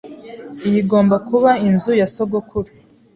Iyi igomba kuba inzu ya sogokuru.